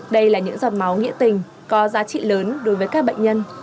đây là những giọt máu nghĩa tình có giá trị lớn đối với các bệnh nhân